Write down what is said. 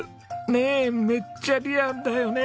ねえめっちゃリアルだよね。